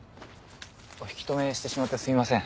お引き留めしてしまってすみません。